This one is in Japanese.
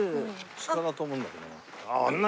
鹿だと思うんだけどな。